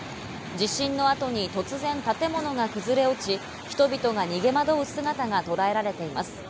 地震の後に突然建物が崩れ落ち、人々が逃げ惑う姿がとらえられています。